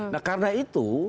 nah karena itu